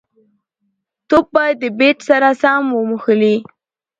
توپ باید د بېټ سره سم وموښلي.